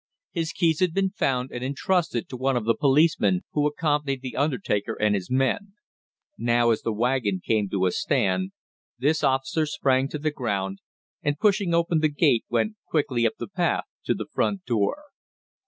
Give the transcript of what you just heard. His keys had been found and intrusted to one of the policemen who accompanied the undertaker and his men; now, as the wagon came to a stand, this officer sprang to the ground, and pushing open the gate went quickly up the path to the front door.